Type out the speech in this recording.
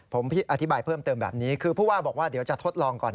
ผมอธิบายเพิ่มเติมแบบนี้คือผู้ว่าบอกว่าเดี๋ยวจะทดลองก่อน